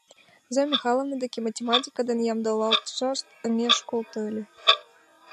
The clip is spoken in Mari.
Зоя Михайловна деке математика дене ямдылалташат ынеж колто ыле...